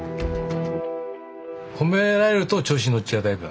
褒められると調子に乗っちゃうタイプなんで。